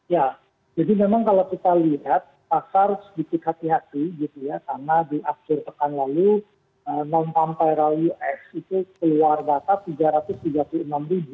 ya jadi memang kalau kita lihat pasar harus sedikit hati hati gitu ya sama di akhir pekan lalu